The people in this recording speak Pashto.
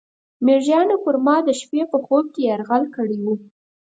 میږیانو پر ما د شپې په خوب کې یرغل کړی و.